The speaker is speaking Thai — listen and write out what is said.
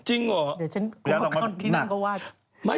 จริงเหรอเดี๋ยวฉันกลัวเข้าที่นึงก็ว่า